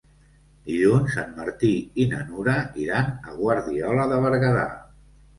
Dilluns en Martí i na Nura iran a Guardiola de Berguedà.